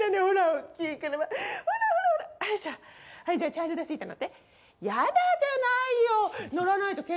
はい。